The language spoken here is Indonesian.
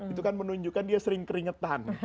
itu kan menunjukkan dia sering keringetan